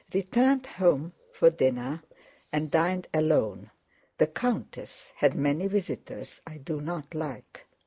Returned home for dinner and dined alone—the countess had many visitors I do not like.